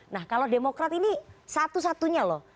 nah kalau demokrat ini satu satunya loh